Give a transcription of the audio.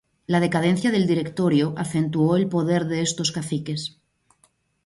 La decadencia del Directorio acentuó el poder de estos caciques.